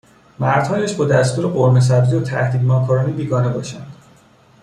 مردهایش با دستور قورمهسبزی و تهدیگ ماکارونی بیگانه باشند